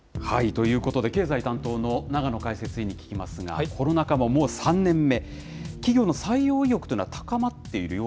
ということで、経済担当の永野解説委員に聞きますが、コロナ禍ももう３年目、企業の採用意欲というのは高まっているよ